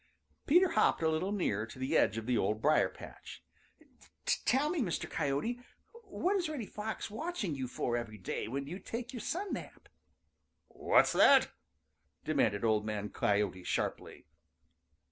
Peter hopped a little nearer to the edge of the Old Briar patch. "Tell me, Mr. Coyote, what is Reddy Fox watching you for every day when you take your sun nap?" "What's that?" demanded Old Man Coyote sharply.